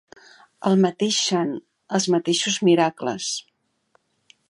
El mateix sant, els mateixos miracles.